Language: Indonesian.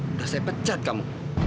udah saya pecat kamu